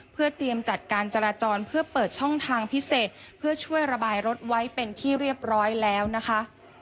เพื่อเตรียมจัดการจราจรเพื่อเปิดช่องทางพิเศษเพื่อช่วยระบายรถไว้เป็นที่เรียบร้อยแล้วนะคะ